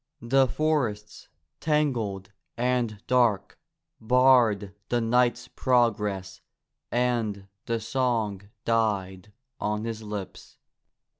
The forests, tangled and dark, barred the knight's progress and the song died on his lips.